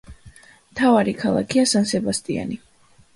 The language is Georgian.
მთავარი ქალაქია სან-სებასტიანი.